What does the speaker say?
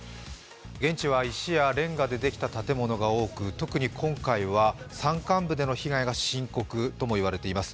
現地は石やれんがでできた建物が多く特に今回は山間部での被害が深刻といわれています。